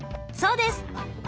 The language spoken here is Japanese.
そうです！